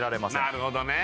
なるほどね